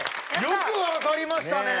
よく分かりましたね。